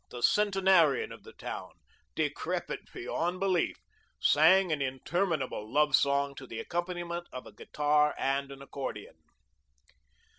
the centenarian of the town, decrepit beyond belief, sang an interminable love song to the accompaniment of a guitar and an accordion.